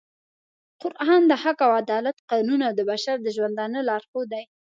قرآن د حق او عدالت قانون او د بشر د ژوندانه لارښود دی